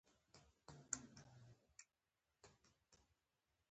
د احمد زړه مې مات کړ، په نه خبره مې خپه کړ.